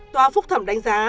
tòa phúc thẩm đánh giá